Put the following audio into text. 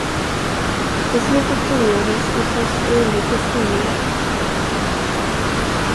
Beslutet kungjordes i Post- och Inrikes Tidningar.